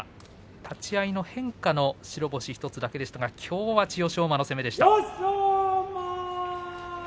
立ち合いの変化の白星１つだけでしたがきょうは千代翔馬の攻めでした。